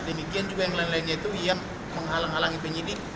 demikian juga yang lain lainnya itu yang menghalangi penyidik